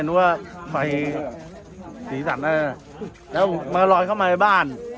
ไม่รู้ว่าไฟสีสันอะไรแล้วมาลอยเข้ามาบ้าน